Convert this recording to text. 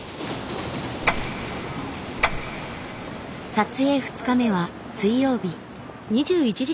撮影２日目は水曜日。